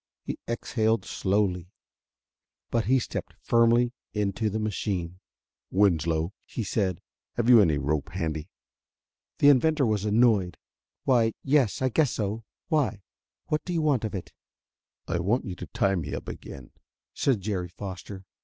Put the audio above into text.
He exhaled slowly. But he stepped firmly into the machine. "Winslow," he said, "have you any rope handy?" The inventor was annoyed. "Why, yes, I guess so. Why? What do you want of it?" "I want you to tie me up again," said Jerry Foster.